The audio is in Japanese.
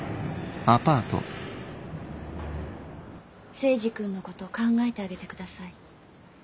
征二君のこと考えてあげてください。